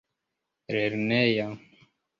lerneja